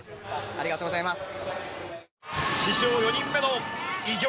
ありがとうございます。